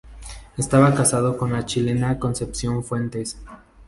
Estaba casado con la chilena Concepción Fuentes.